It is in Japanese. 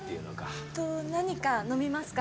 えっと何か飲みますか？